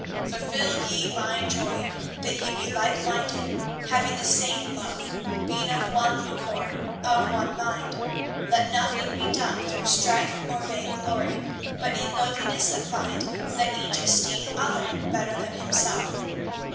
Fulfil ye my joy, that ye be like minded, having the same love, being of one accord, of one mind. Let nothing be done through strife or vain glory, but in lowliness of mind let each esteem other better than himself.